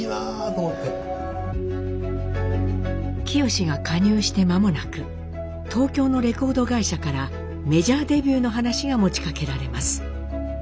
清が加入して間もなく東京のレコード会社からメジャーデビューの話が持ちかけられます。